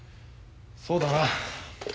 そうだな。